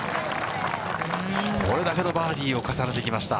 これだけのバーディーを重ねてきました。